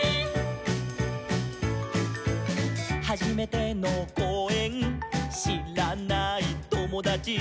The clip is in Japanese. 「はじめてのこうえんしらないともだち」